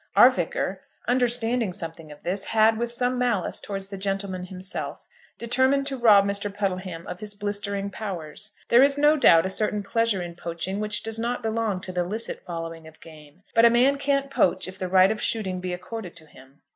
Our Vicar, understanding something of this, had, with some malice towards the gentleman himself, determined to rob Mr. Puddleham of his blistering powers. There is no doubt a certain pleasure in poaching which does not belong to the licit following of game; but a man can't poach if the right of shooting be accorded to him.